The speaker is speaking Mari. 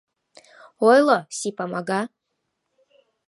— Ойло, Си-Памага!